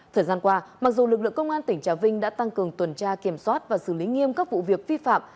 thời gian qua mặc dù lực lượng công an tỉnh trà vinh đã tăng cường tuần tra kiểm soát và xử lý nghiêm các vụ việc vi phạm